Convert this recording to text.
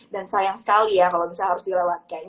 dan sayang sekali ya kalau bisa harus dilewatkan